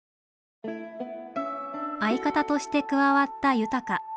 相方として加わった悠鷹。